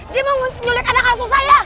dia mau nyulik anak asuh saya